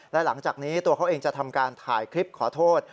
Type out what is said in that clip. และหลังจากนี้ตัวเขาเองจะทำการถ่ายคลิปขอโทษ